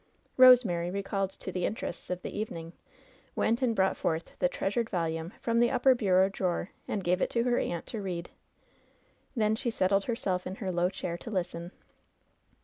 Eosemary, recalled to the interests of the evening, went and brought forth the "treasured volume^^ from the upper bureau drawer and gave it to her aunt to read. Then she settled herself in her low chair to listen.